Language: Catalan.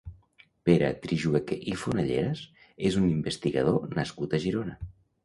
Pere Trijueque i Fonalleras és un investigador nascut a Girona.